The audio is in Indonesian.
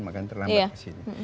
maka terlambat kesini